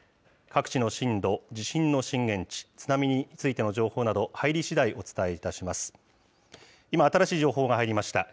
各地の震度、地震の震源地、津波についての情報など、入り次第、お伝えいたします。